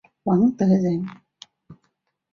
王德人。